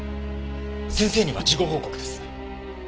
先生には事後報告です。